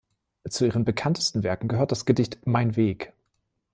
Zu ihren bekanntesten Werken gehört das Gedicht „Mein Weg“.